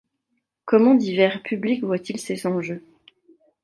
Comment divers publics voient-ils ces enjeux?